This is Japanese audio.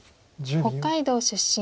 北海道出身。